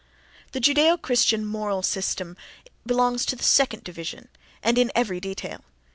The Judaeo Christian moral system belongs to the second division, and in every detail.